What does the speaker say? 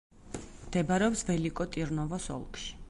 მდებარეობს ველიკო-ტირნოვოს ოლქში.